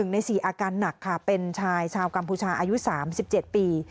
ใน๔อาการหนักค่ะเป็นชายชาวกัมพูชาอายุ๓๗ปี